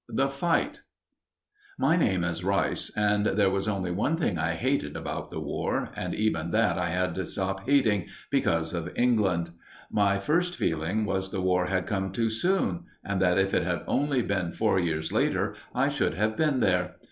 THE FIGHT My name is Rice, and there was only one thing I hated about the War, and even that I had to stop hating, because of England. My first feeling was the War had come too soon, and that if it had only been four years later, I should have been there.